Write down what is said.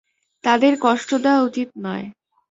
তাদের কষ্ট দেওয়া উচিত নয়।